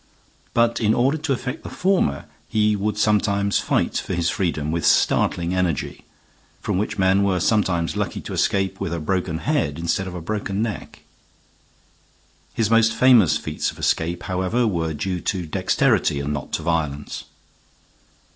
But in order to effect the former he would sometimes fight for his freedom with startling energy, from which men were sometimes lucky to escape with a broken head instead of a broken neck. His most famous feats of escape, however, were due to dexterity and not to violence.